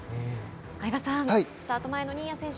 相葉さん、スタート前の新谷選手